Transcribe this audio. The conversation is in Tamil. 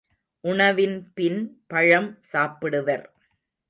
உணவின் பின் பழம் சாப்பிடுவர்.